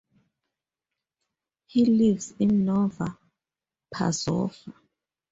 He lives in Nova Pazova.